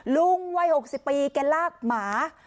ลุงวัย๖๐ปีแกลากหมา